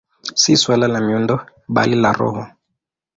Si suala la miundo, bali la roho.